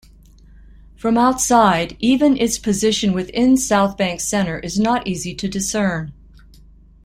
From outside, even its position within Southbank Centre is not easy to discern.